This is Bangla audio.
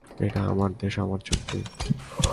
এটা আমার দেশ, আমার চুক্তি!